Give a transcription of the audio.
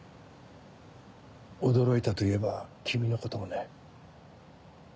驚いたといえば君のこともね。